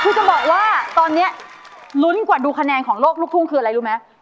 คือจะบอกว่าตอนนี้ลุ้นกว่าดูคะแนนของโลกลูกทุ่งคืออะไรรู้ไหม